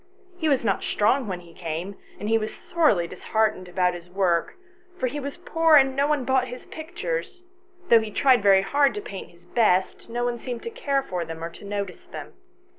He was not strong when he came, and he was sorely disheartened about his work, for he was poor, and no one bought his pictures ; though he tried hard to paint his very best, no one seemed to care for them or to notice them.